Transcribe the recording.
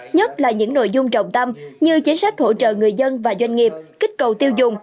nhất là những nội dung trọng tâm như chính sách hỗ trợ người dân và doanh nghiệp kích cầu tiêu dùng